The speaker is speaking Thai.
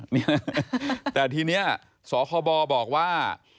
เนี่ยแต่ทีนี้สคบบอกว่า